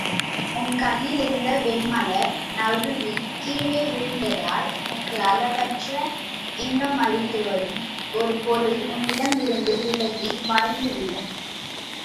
உன் கையிலிருந்த வெண்மலர் நழுவிக் கீழே விழுந்ததால் உனக்கு அளவற்ற இன்பமளித்துவரும் ஒரு பொருள் உன்னிடமிருந்து விலகி மறைந்துவிடும்.